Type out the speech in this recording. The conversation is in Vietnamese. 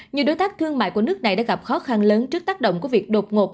nhiều đối tác thương mại của nước này đã gặp khó khăn lớn trước tác động của việc đột ngột